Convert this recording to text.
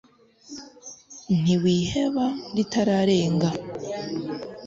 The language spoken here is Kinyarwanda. ntawiheba ritararenga